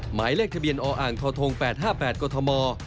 หมายเลขทะเบียนออ่างทท๘๕๘กฎธม